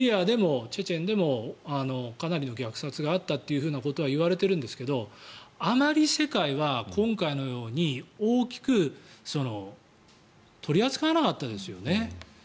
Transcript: シリアでもチェチェンでもかなりの虐殺があったということはいわれてるんですけどあまり世界は今回のように大きく取り扱わなかったですよね。